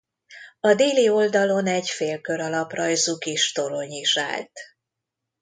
A déli oldalon egy félkör alaprajzú kis torony is állt.